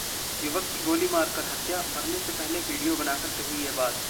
युवक की गोली मारकर हत्या, मरने से पहले वीडियो बनाकर कही ये बात...